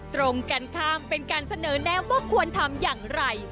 ตรงกันข้ามเป็นการเสนอแนะว่าควรทำอย่างไร